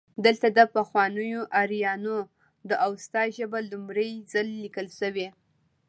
دلته د پخوانیو آرینو د اوستا ژبه لومړی ځل لیکل شوې